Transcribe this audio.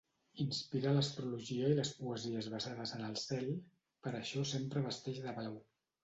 Inspira l'astrologia i les poesies basades en el cel: per això sempre vesteix de blau.